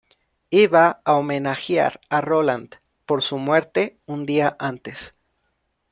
Iba a homenajear a Roland por su muerte un día antes.